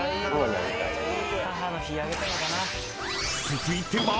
［続いては］